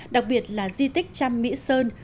đặc biệt là di tích trăm mỹ sơn